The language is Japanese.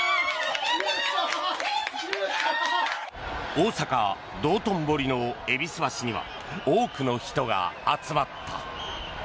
大阪・道頓堀の戎橋には多くの人が集まった。